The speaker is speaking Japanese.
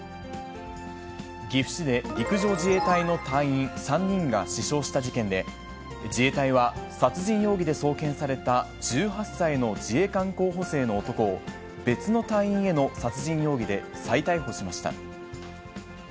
岐阜市で陸上自衛隊の隊員３人が死傷した事件で、自衛隊は、殺人容疑で送検された１８歳の自衛官候補生の男を、別の隊員への殺人容疑で再逮捕しました。